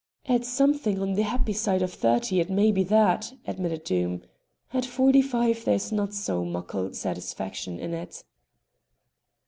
"At something on the happy side of thirty it may be that," admitted Doom; "at forty five there's not so muckle satisfaction in it."